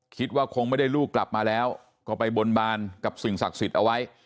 คิดว่าคงไม่ได้ลูกกลับมาแล้วก็ไปบนบานกับสิ่งศักดิ์สิทธิ์เอาไว้